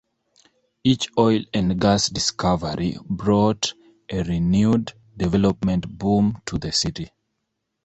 Each oil and gas discovery brought a renewed development boom to the city.